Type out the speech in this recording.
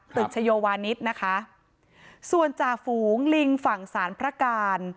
ชโยวานิสนะคะส่วนจ่าฝูงลิงฝั่งสารพระการ